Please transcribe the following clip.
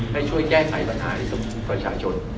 ให้ช่วยแก้ไขปัญหาให้กับประชาชน